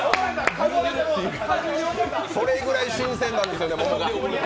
それぐらい新鮮なんですよね、桃が。